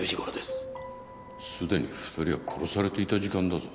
すでに２人は殺されていた時間だぞ。